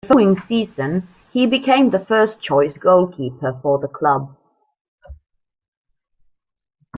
The following season, he became the first-choice goalkeeper for the club.